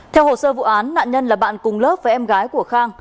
theo hồ sơ vụ án nạn nhân là bạn cùng lớp với em gái của khang